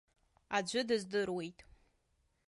Аӡәы дыздыруеит.